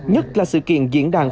nhất là sự kiện diễn đàn